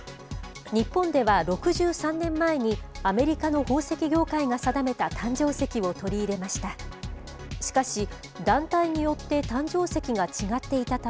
日本では６３年前に、アメリカの宝石業界が定めた誕生石を取り入れました。